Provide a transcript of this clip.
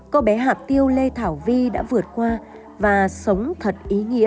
cô bé hạt tiêu lê thảo vi đã vượt qua và sống thật ý nghĩa